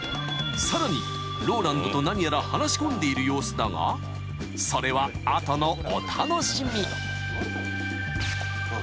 ［さらにＲＯＬＡＮＤと何やら話し込んでいる様子だがそれは後のお楽しみ］